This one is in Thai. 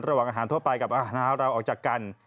ระหว่างอาหารทั่วไปกับอาหารเราออกจากกัน